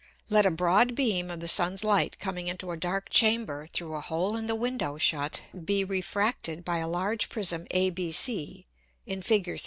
Let a broad beam of the Sun's Light coming into a dark Chamber through a hole in the Window shut be refracted by a large Prism ABC, [in _Fig.